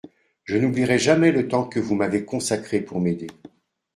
Je n’oublierai jamais le temps que vous m’avez consacré pour m’aider.